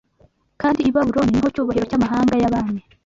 Kandi i Babuloni ni ho cyubahiro cy’amahanga y’abami